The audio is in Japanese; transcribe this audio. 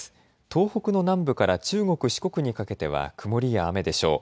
東北の南部から中国・四国にかけては曇りや雨でしょう。